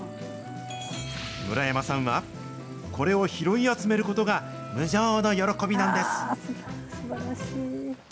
村山さんは、これを拾い集めることが無上の喜びなんです。